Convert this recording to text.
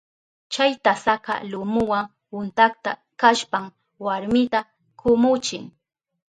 Chay tasaka lumuwa untakta kashpan warmita kumuchin.